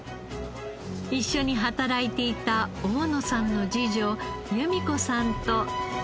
一緒に働いていた大野さんの次女由美子さんと。